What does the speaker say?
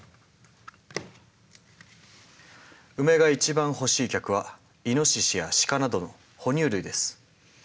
ウメが一番欲しい客はイノシシやシカなどの哺乳類です。